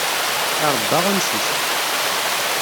Iṛebba amcic.